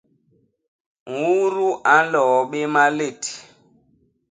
ñudu a nloo bé malét.